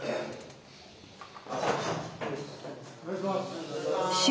お願いします。